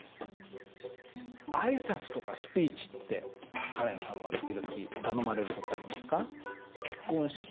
あいさつとかスピーチってカレンさんは時々頼まれる事ありますか？